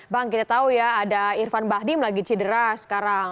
bang kita tahu ya ada irfan bahdim lagi cedera sekarang